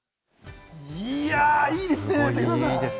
いや、いいですね。